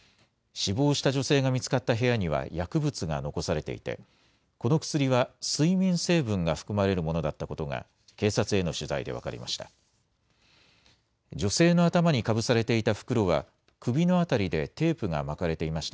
死亡した女性が見つかった部屋には薬物が残されていて、この薬は睡眠成分が含まれるものだったことが、警察への取材で分かりました。